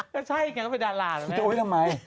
ถ้าใช่ก็เป็นดาราแล้วนะ